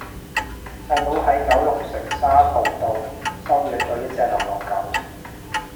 細佬喺九龍城沙浦道收養左一隻流浪狗